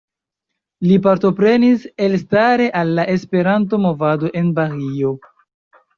Li partoprenis elstare al la Esperanto-movado en Bahio.